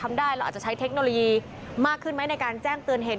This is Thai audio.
ได้เราอาจจะใช้เทคโนโลยีมากขึ้นไหมในการแจ้งเตือนเห็น